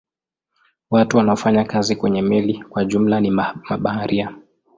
Watu wanaofanya kazi kwenye meli kwa jumla ni mabaharia.